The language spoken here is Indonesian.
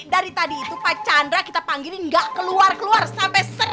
dari tadi itu pak chandra kita panggilin nggak keluar keluar sampai